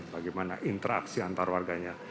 bagaimana interaksi antar warganya